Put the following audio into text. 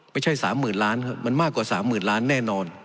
ไม่ใช่๓๐๐๐ล้านครับมันมากกว่า๓๐๐๐ล้านแน่นอน